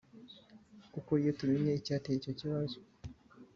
kuko iyo tumenye icyateye icyo kibazo